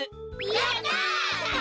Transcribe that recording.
やった！